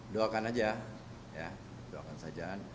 doakan saja doakan saja